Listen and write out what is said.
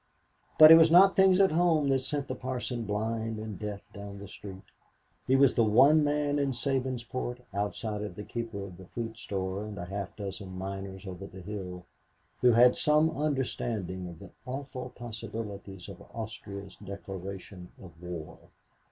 But it was not things at home that sent the parson blind and deaf down the street. He was the one man in Sabinsport, outside of the keeper of the fruit store and a half dozen miners over the hill, who had some understanding of the awful possibilities of Austria's declaration of war.